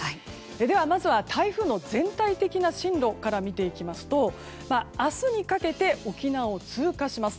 では、まずは台風の全体的な進路から見ていきますと明日にかけて沖縄を通過します。